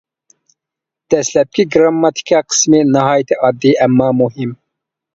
دەسلەپكى گىرامماتىكا قىسمى ناھايىتى ئاددىي ئەمما مۇھىم.